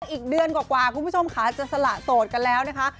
อีกเดือนกว่าคุณผู้ชมค่ะจะสละโสดกันแล้วนะคะ